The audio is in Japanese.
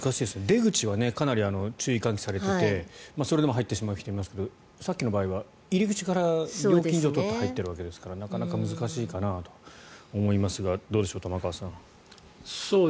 出口はかなり注意喚起されていてそれでも入ってしまう人いますがさっきの場合は入り口から料金所を通って入ってるわけですからなかなか難しいかなと思いますがどうでしょう、玉川さん。